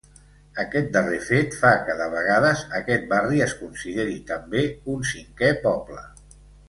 Aquest darrer fet fa que de vegades aquest barri es consideri també un cinquè poble.